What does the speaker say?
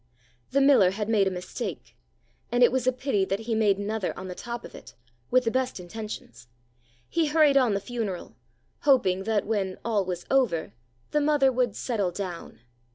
The miller had made a mistake, and it was a pity that he made another on the top of it, with the best intentions. He hurried on the funeral, hoping that when "all was over" the mother would "settle down."